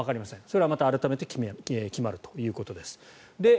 それはまた改めて決まるということです。